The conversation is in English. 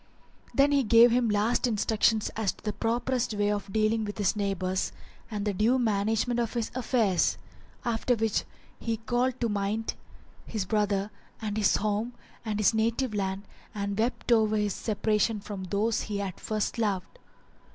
Then he gave him his last instructions as to the properest way of dealing with his neighbours and the due management of his affairs; after which he called to mind his brother and his home and his native land and wept over his separation from those he had first loved.